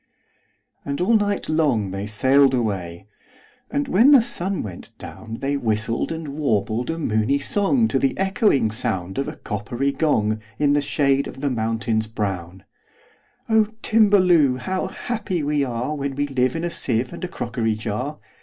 And all night long they sail'd away; And, when the sun went down, They whistled and warbled a moony songTo the echoing sound of a coppery gong, In the shade of the mountains brown,"O Timballoo! how happy we areWhen we live in a sieve and a crockery jar!